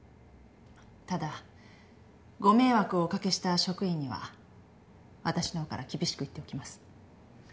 ただご迷惑をおかけした職員には私の方から厳しく言っておきます。